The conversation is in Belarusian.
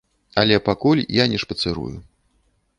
Але пакуль я не шпацырую.